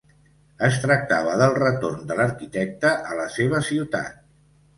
Es tractava del retorn de l'arquitecte a la seva ciutat.